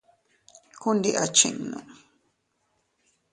Ku ndi a chinnu.